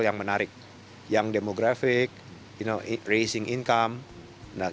yang menarik yang demographic you know raising income